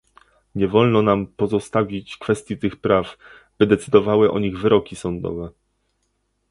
Nie wolno nam pozostawić kwestii tych praw, by decydowały o nich wyroki sądowe